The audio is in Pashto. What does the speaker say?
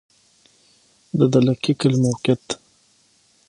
د دلکي کلی موقعیت